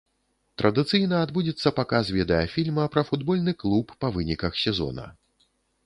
Традыцыйна адбудзецца паказ відэафільма пра футбольны клуб па выніках сезона.